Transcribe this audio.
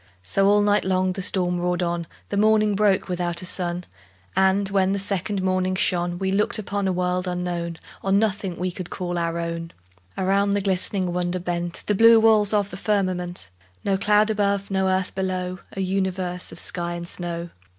So all night long the storm roared on: The morning broke without a sun; And, when the second morning shone, We looked upon a world unknown, On nothing we could call our own. Around the glistening wonder bent The blue walls of the firmament, No cloud above, no earth below, A universe of sky and snow!